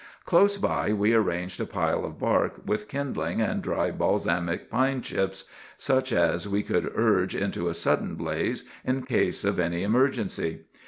"Close by we arranged a pile of bark, with kindlings and dry balsamic pine chips, such as we could urge into a sudden blaze in case of any emergency.